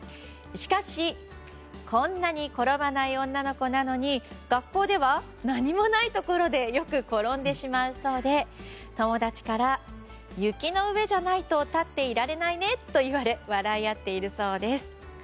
しかしこんなに転ばない女の子なのに学校では何もないところでよく転んでしまうそうで友達から雪の上じゃないと立っていられないねと言われ笑い合っているそうです。